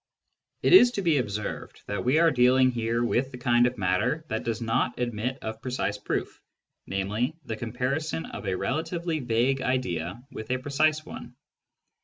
It is to be observed that we are dealing here with the kind of matter that does not admit of precise proof, namely, the comparison of a relatively vague idea with a relatively precise one.